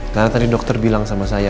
karena tadi dokter bilang sama saya